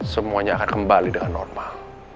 semuanya akan kembali dengan normal